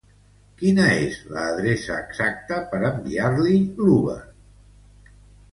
Quina és la adreça exacta per enviar-li l'Uber?